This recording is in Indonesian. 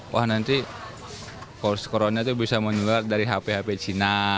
wah nanti corona bisa menular dari hp hp china